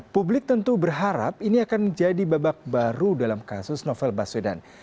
publik tentu berharap ini akan jadi babak baru dalam kasus novel baswedan